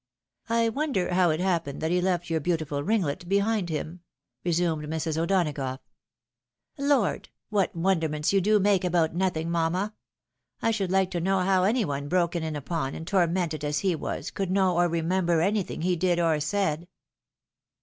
" I wonder how it happened that he left your beautiful ringlet behind him?" resumed Sirs. O'Donagough. " Lord ! what wonderments you do make about nothing, mamma ! I should like to know how any one broken in upon, and tormented as he was, could know or remember anything he did or said?"